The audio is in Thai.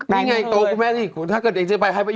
นี่ไงโต๊ะคุณแม่ถ้าเกิดอย่างเชื่อใจไปใช่ไหม